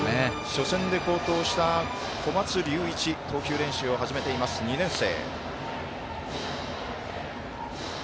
初戦で好投した、小松龍一投球練習を始めています、２年生。